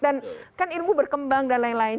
dan kan ilmu berkembang dan lain lain